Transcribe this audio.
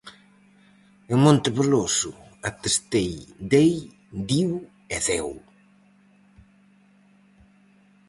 En Monteveloso, atestei "dei", "diu" e "deu".